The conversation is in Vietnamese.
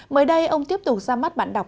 mới đây ông tiếp tục ra mắt bản đọc